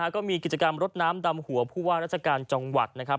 ก็มีกิจกรรมรถน้ำดำหัวผู้ว่าราชการจังหวัดนะครับ